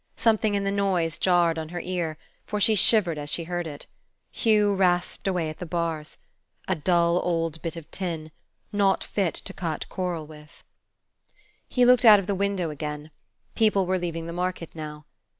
Something in the noise jarred on her ear, for she shivered as she heard it. Hugh rasped away at the bars. A dull old bit of tin, not fit to cut korl with. He looked out of the window again. People were leaving the market now.